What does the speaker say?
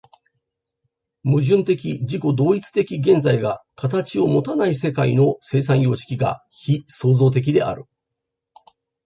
矛盾的自己同一的現在が形をもたない世界の生産様式が非創造的である。